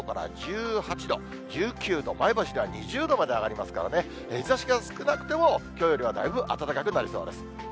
１７度から１８度、１９度、前橋では２０度まで上がりますからね、日ざしが少なくても、きょうよりはだいぶ暖かくなりそうです。